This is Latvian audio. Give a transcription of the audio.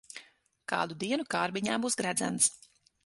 Kādu dienu kārbiņā būs gredzens.